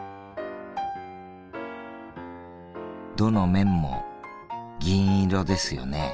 どの面も銀色ですよね。